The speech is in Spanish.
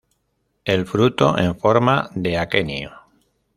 El fruto en forma de aquenio.